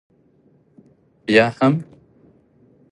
بیا هم؟